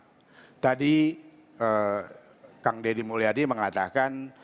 tentang siapa sih yang mengelola listrik di indonesia atau di jawa barat